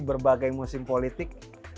berbagai musim politik